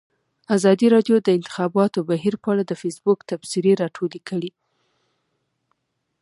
ازادي راډیو د د انتخاباتو بهیر په اړه د فیسبوک تبصرې راټولې کړي.